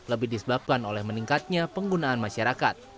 lebih disebabkan oleh meningkatnya penggunaan masyarakat